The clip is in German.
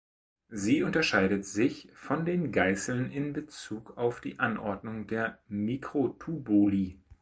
Sie unterscheidet sich von den Geißeln in Bezug auf die Anordnung der Mikrotubuli.